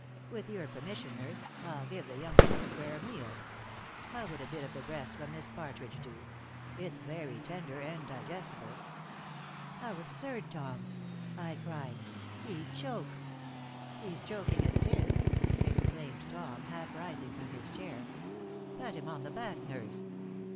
"With your permission, nurse, I'll give the youngster a square meal. How would a bit of the breast from this partridge do? It's very tender and digestible " "How absurd, Tom!" I cried. "He'd choke!" "He's choking as it is!" exclaimed Tom, half rising from his chair. "Pat him on the back, nurse!"